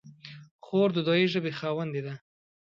خور د دعایي ژبې خاوندې ده.